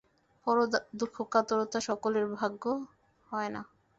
পরদুঃখকাতরতা সকলের ভাগ্যে হয় না।